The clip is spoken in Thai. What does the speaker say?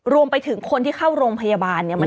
รวมไปถึงคนที่เข้าโรงพยาบาลเนี่ย